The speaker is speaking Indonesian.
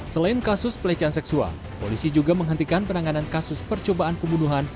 selain kasus pelecehan seksual polisi juga menghentikan penanganan kasus percobaan pembunuhan